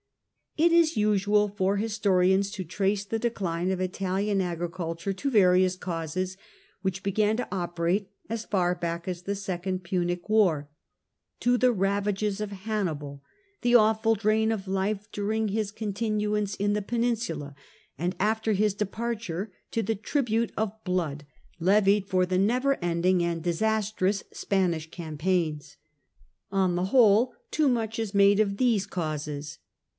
It is usual for historians to trace the decline of Italian agricultare to various causes which began to operate as far back as the Second Punic War — ^to the ravages of Hannibal, the awful drain of life during his continuance in the peninsula, and after his departure to the tribute of blood levied for the never ending and disastrous Spanish campaigns. On the whole, too much is made of these causes.